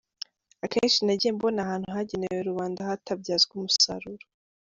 Akenshi nagiye mbona ahantu hagenewe rubanda hatabyazwa umusaruro.